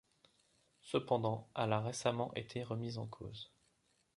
Cependant, elle a récemment été remise en cause.